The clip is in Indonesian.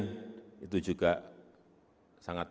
dan itu juga sangat menghargai